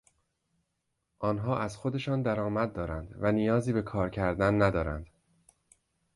آنها از خودشان درآمد دارند و نیازی به کار کردن ندارند.